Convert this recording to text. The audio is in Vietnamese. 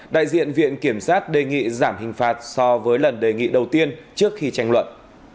đại diện viện kiểm sát đề nghị giảm hình phạt so với lần đề nghị đầu tiên trước khi tranh luận